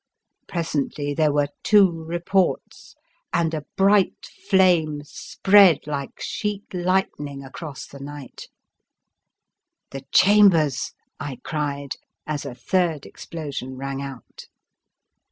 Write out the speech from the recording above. Presently there were two reports and a bright flame spread like sheet lightning across the night. The Fearsome Island " The Chambers! " I cried, as a third explosion rang out.